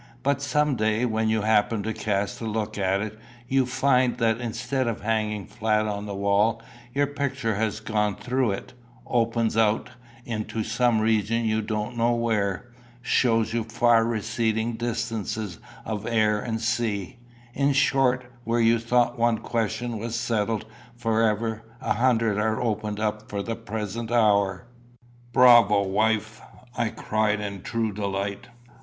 But some day, when you happen to cast a look at it, you find that instead of hanging flat on the wall, your picture has gone through it opens out into some region you don't know where shows you far receding distances of air and sea in short, where you thought one question was settled for ever, a hundred are opened up for the present hour." "Bravo, wife!" I cried in true delight.